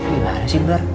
gimana sih ber